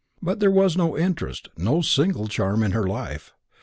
But there was no interest, no single charm in her life.